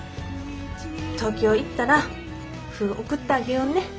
東京行ったら麩送ってあげようね。